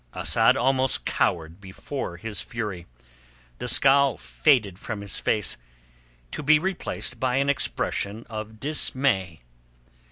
Asad almost cowered before his fury. The scowl faded from his face to be replaced by an expression of dismay.